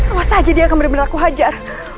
apa saja dia akan benar benar kuhajar